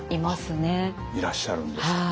いらっしゃるんですね。